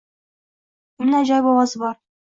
Uni ajoyib ovozi bor.